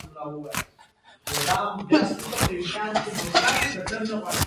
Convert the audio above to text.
د فراه په پرچمن کې څه شی شته؟